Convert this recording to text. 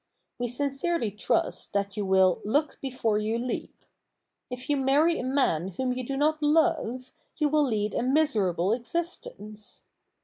We sincerely trust that you will "look before you leap." If you marry a man whom you do not love you will lead a miserable existence.